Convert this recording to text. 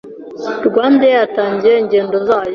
RwandAir yatangije ingendo zayo